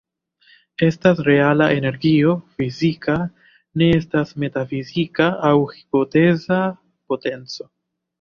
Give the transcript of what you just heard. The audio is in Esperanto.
Estas reala energio, fizika; ne estas metafizika aŭ hipoteza potenco.